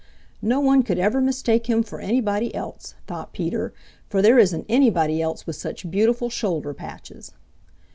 "No one could ever mistake him for anybody else," thought Peter, "For there isn't anybody else with such beautiful shoulder patches."